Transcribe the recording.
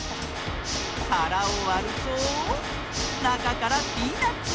からをわるとなかからピーナツが！